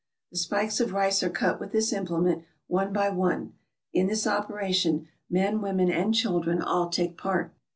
The spikes of rice are cut with this implement, one by one. In this operation, men, women and children, all take part.